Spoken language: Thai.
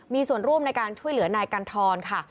มีส่วนร่วมในการช่วยเหลือนายกันทรค่ะ